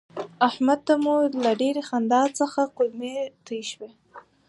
احمد ته مو له ډېرې خندا څخه کولمې توی شوې.